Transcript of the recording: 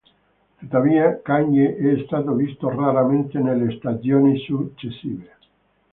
Tuttavia, Kanye è stato visto raramente nelle stagioni successive.